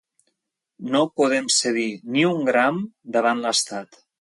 No podem cedir ni un gram davant l’estat.